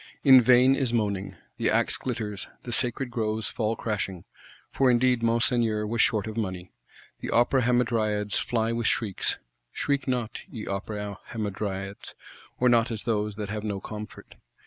In vain is moaning. The axe glitters; the sacred groves fall crashing,—for indeed Monseigneur was short of money: the Opera Hamadryads fly with shrieks. Shriek not, ye Opera Hamadryads; or not as those that have no comfort.